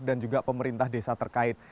dan juga pemerintah desa terkait